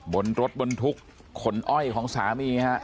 บนรถบนทุกขนอ้อยของสามีฮะ